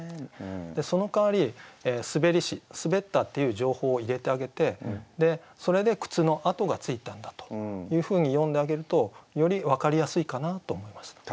その代わり「滑りし」滑ったっていう情報を入れてあげてそれで靴の跡がついたんだというふうに詠んであげるとより分かりやすいかなと思います。